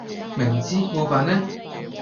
明知故犯呢？